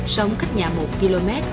sống cách nhà một km